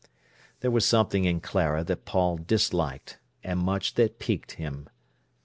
There was something in Clara that Paul disliked, and much that piqued him.